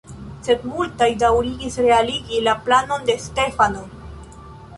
Sed multaj daŭrigis realigi la planon de Stefano.